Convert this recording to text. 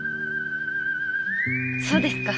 そうですか。